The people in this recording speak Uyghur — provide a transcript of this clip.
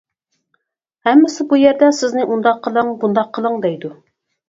ھەممىسى بۇ يەردە سىزنى ئۇنداق قىلىڭ، بۇنداق قىلىڭ دەيدۇ.